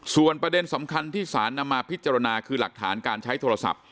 ส่วนประเด็นสำคัญที่สารนำมาพิจารณาคือหลักฐานการใช้โทรศัพท์